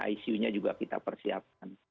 isunya juga kita persiapkan